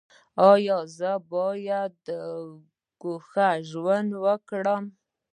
ایا زه باید ګوښه ژوند وکړم؟